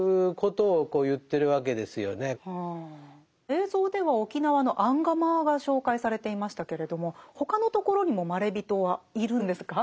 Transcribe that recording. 映像では沖縄のアンガマアが紹介されていましたけれども他のところにもまれびとはいるんですか？